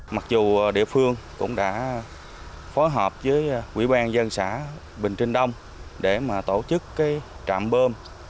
mặc dù địa phương cũng đã phối hợp với quỹ ban dân xã bình trinh đông để mà tổ chức trạm bơm